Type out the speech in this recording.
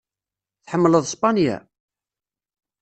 Tḥemmleḍ Spanya?